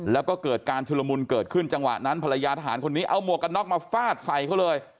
แล้วก็เกิดการชุลมุนเกิดขึ้นจังหวะนั้นภรรยาทหารคนนี้เอาหมวกกันน็อกมาฟาดใส่เขาเลย